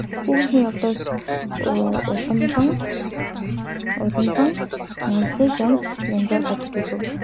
Хүүгийнхээ явдлаас уламлан Нансалыг янз янзаар бодож үзэв.